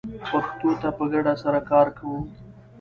پښتو ته په ګډه سره کار کوو